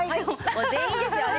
もう全員ですよね。